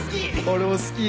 俺も好き。